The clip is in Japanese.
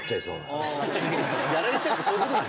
やられちゃうってそういうこと？